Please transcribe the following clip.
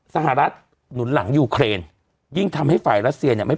สหรัฐหนุนหลังยูเครนยิ่งทำให้ฝ่ายรัสเซียเนี่ยไม่